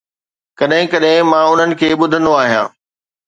ڪڏهن ڪڏهن مان انهن کي ٻڌندو آهيان.